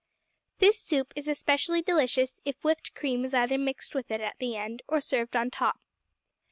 This soup is especially delicious if whipped cream is either mixed with it at the end, or served on top.